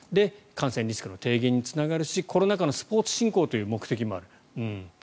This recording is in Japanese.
感染リスクの提言につながるしコロナ禍のスポーツ振興という目的もある。